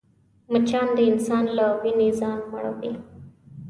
مچان د انسان له وینې ځان مړوي